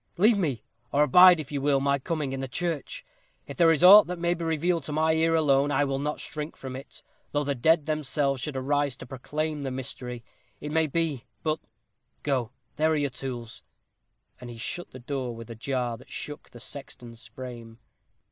"Leave me, or abide, if you will, my coming, in the church. If there is aught that may be revealed to my ear alone, I will not shrink from it, though the dead themselves should arise to proclaim the mystery. It may be but go there are your tools." And he shut the door, with a jar that shook the sexton's frame.